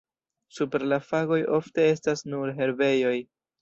Super la fagoj ofte estas nur herbejoj.